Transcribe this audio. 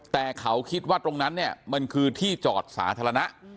แต่เขาคิดว่าตรงนั้นเนี่ยมันคือที่จอดสาธารณะ